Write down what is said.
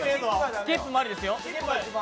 スキップもありですよ。